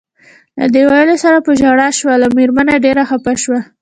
له دې ویلو سره په ژړا شول، مېرمن ډېره خپه شوه.